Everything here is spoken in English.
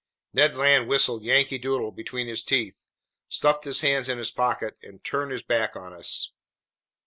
Ned Land whistled "Yankee Doodle" between his teeth, stuffed his hands in his pockets, and turned his back on us.